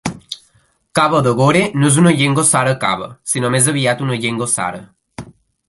Kaba de Gore no és una llengua Sara Kaba, sinó més aviat una llengua Sara.